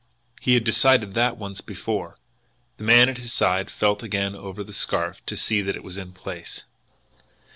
He had decided that once before! The man at his side felt again over the scarf to see that it was in place.